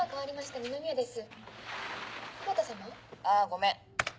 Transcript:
あごめん。